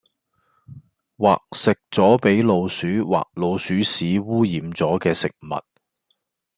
或食左被老鼠或老鼠屎污染左既食物